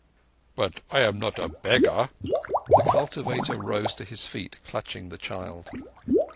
"But I am not a beggar." The cultivator rose to his feet, clutching the child.